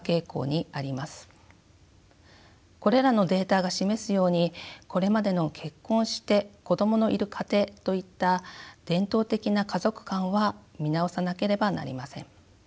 これらのデータが示すようにこれまでの結婚して子どものいる家庭といった伝統的な家族観は見直さなければなりません。